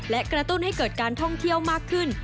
และกระตุ้นให้เกิดการท่องเที่ยวมากขึ้น